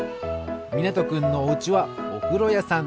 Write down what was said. みなとくんのおうちはおふろやさん。